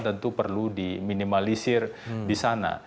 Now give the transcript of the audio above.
tentu perlu diminimalisir di sana